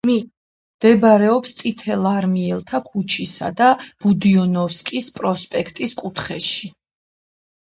მდებარეობს წითელარმიელთა ქუჩისა და ბუდიონოვსკის პროსპექტის კუთხეში.